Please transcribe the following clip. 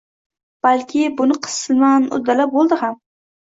balki buni qisman uddalab bo‘ldi ham.